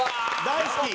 大好き！